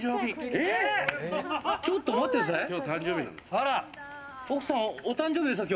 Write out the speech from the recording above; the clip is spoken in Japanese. あら、奥様お誕生日ですか。